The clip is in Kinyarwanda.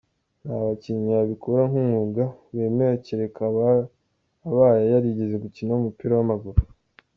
Nta bakinnyi babikora nk’umwuga bemewe cyereka abaye yarigeze gukinaho umupira w’amaguru.